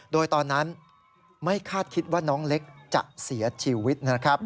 โดยตอนนั้นไม่คาดคิดว่าน้องเล็กจะเสียชีวิตนะครับ